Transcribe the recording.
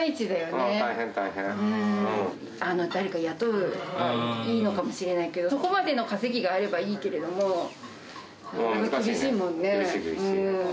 誰か雇えばいいのかもしれないけど、そこまでの稼ぎがあればいいけれども、なかなか厳しいも厳しい、厳しい。